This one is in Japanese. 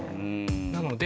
なので。